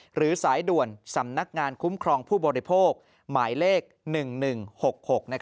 หรือสายด่วนสำนักงานคุ้มครองผู้บริโภคหมายเลข๑๑๖๖